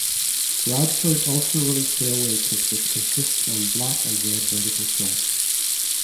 Bradford also released their away kit which consists on Black and Red vertical stripes.